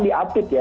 di update ya